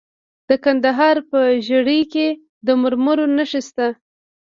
د کندهار په ژیړۍ کې د مرمرو نښې شته.